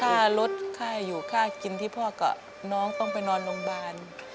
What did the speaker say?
ค่ารถค่าอยู่ค่ากินที่พ่อกับน้องต้องไปนอนโรงพยาบาล